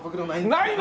ないの！？